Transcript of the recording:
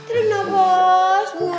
tidak nafas yaa